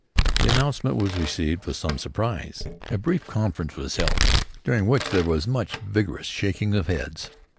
The announcement was received with some surprise. A brief conference was held, during which there was much vigorous shaking of heads.